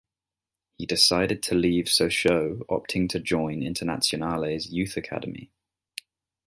He decided to leave Sochaux opting to join Internazionale's youth academy.